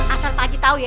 asal pakcik tahu ya